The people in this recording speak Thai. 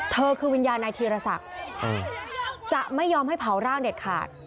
คือวิญญาณนายธีรศักดิ์จะไม่ยอมให้เผาร่างเด็ดขาด